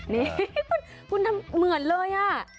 นี่คุณทำเหมือนเลย